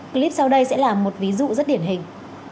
clip sau đây sẽ là một ví dụ rất điển hình